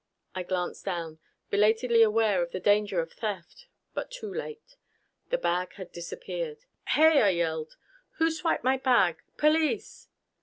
I glanced down, belatedly aware of the danger of theft. But too late. The bag had disappeared. "Hey!" I yelled. "Who swiped my bag? Police!"